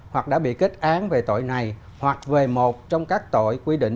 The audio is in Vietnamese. hoặc đã bị kết án về tội này hoặc về một trong các tội quy định